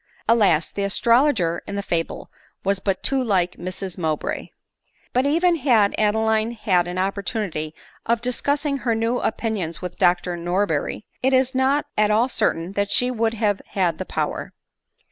Alas ! the astrologer in the fable was but too like Mrs Mowbray ! But even had Adeline had an opportunity of discus sing her new opinions with Dr Norberry, it is not at all certain that she would have had the power.